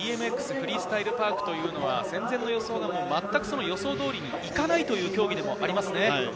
フリースタイル・パークは戦前の予想が予想どおりにいかないという競技でもありますね。